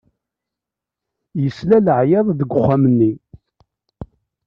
Yesla i leɛyaḍ deg uxxam-nni.